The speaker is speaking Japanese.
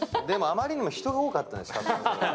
でも、あまりにも人が多かったじゃないですか。